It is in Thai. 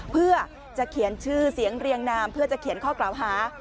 เพื่อจะเขียนชื่อเสียงเรียงนามเพื่อจะเขียนข้อกล่าวหา